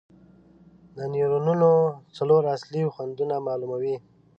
دا نیورونونه څلور اصلي خوندونه معلوموي.